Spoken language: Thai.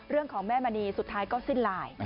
เรื่องของแม่มณีสุดท้ายก็สิ้นลาย